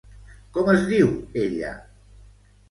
Com es diu ella?